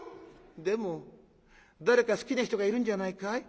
「でも誰か好きな人がいるんじゃないかい？」。